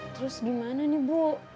terus gimana nih bu